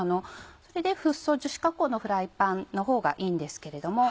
それでフッ素樹脂加工のフライパンの方がいいんですけれども。